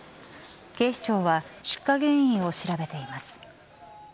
警視庁は出火原因を調べています。